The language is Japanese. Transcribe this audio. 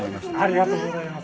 ありがとうございます。